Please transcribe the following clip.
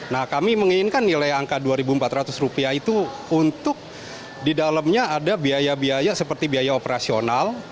nah kami menginginkan nilai angka rp dua empat ratus itu untuk di dalamnya ada biaya biaya seperti biaya operasional